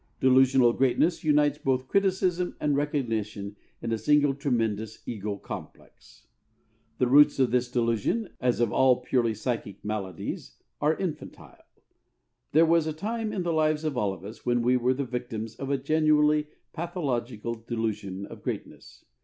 Delusional greatness unites both criticism and recognition in a single tremendous ego complex. The roots of this delusion, as of all purely psychic maladies, are infantile. There was a time in the lives of all of us when we were the victims of a genuinely pathological delusion of greatness.